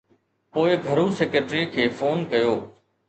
پوءِ گهرو سيڪريٽري کي فون ڪيو.